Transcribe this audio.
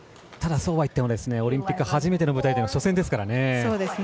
そうはいってもオリンピック初めての舞台での初戦ですからね。